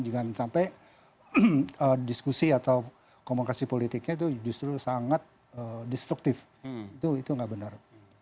jangan sampai diskusi atau komunikasi politiknya itu justru sangat destruktif itu nggak benar